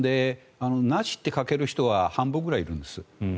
なしって書ける人は半分ぐらいいるんです。